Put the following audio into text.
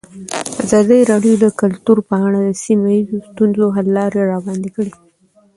ازادي راډیو د کلتور په اړه د سیمه ییزو ستونزو حل لارې راوړاندې کړې.